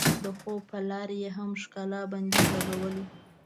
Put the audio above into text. د خوب په لار یې هم ښکلا بندیز لګولی.